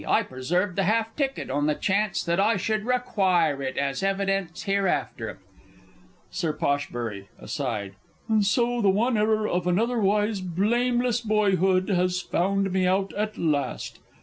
I preserved the half ticket, on the chance that I should require it as evidence hereafter. Sir P. (aside). And so the one error of an otherwise blameless boyhood has found me out at last!